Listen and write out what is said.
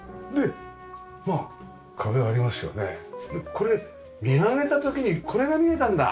これ見上げた時にこれが見えたんだ。